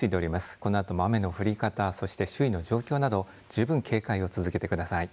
このあとも雨の降り方そして周囲の状況など十分警戒を続けてください。